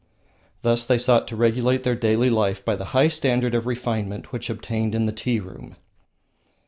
Thus they sought to regulate their daily life by the high standard of refinement which obtained in the tea room.